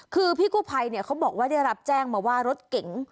คือพี่กู้ภัยเขาบอกว่าได้รับแจ้งมาว่ารถเก๋ง